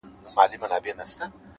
هوډ د ستونزو په منځ کې ځواک مومي’